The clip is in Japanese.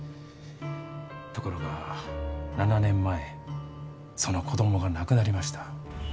ところが７年前その子供が亡くなりました。